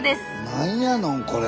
何やのんこれ。